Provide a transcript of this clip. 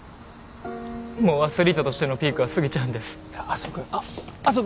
もうアスリートとしてのピークは過ぎちゃうんですいや麻生君あっ麻生